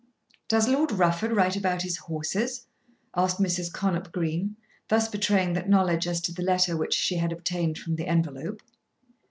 "Does Lord Rufford write about his horses?" asked Mrs. Connop Green, thus betraying that knowledge as to the letter which she had obtained from the envelope.